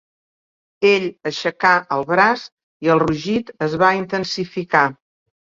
Ell aixecà el braç i el rugit es va intensificar.